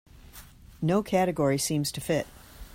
No category seems to fit.